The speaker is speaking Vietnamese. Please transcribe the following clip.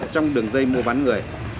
trong đường dây mua bán người